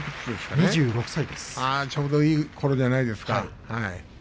２６歳、ちょうどいいころじゃないですか。